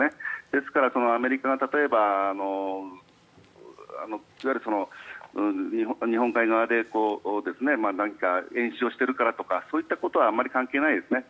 ですから、アメリカが例えばいわゆる日本海側で何か演習をしているからとかそういったことはあまり関係ないですね。